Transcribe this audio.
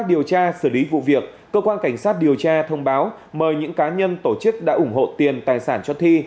cơ quan cảnh sát điều tra xử lý vụ việc cơ quan cảnh sát điều tra thông báo mời những cá nhân tổ chức đã ủng hộ tiền tài sản cho thi